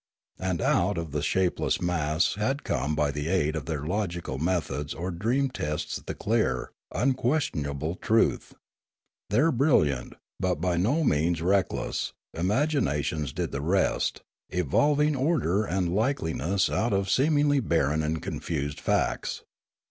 And out of the shapeless mass had come by the aid of their logical methods or dream tests the clear, unquestionable truth. Their brilliant, but by no means reckless, imaginations did the rest, evolving order and lifelikeness out of seemingly barren and confused facts.